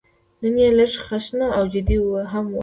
نن یې لږه خشنه او جدي هم وایم.